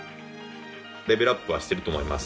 レベルアップはしてると思います。